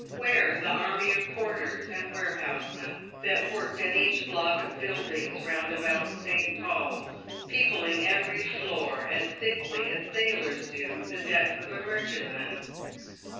— where the army of porters and ware housemen that worked at each block of buildings round about St. Paul's, peopling every floor as thickly as sailors do the decks of a merchantman